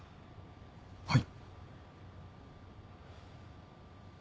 はい。